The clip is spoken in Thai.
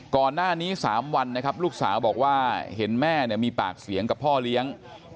ก่อนหน้านี้๓วันนะครับลูกสาวบอกว่าเห็นแม่มีปากเสียงกับพ่อเลี้ยง